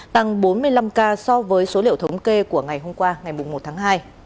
tăng bốn mươi năm ca so với số liệu thống kê của ngày hôm qua ngày một tháng hai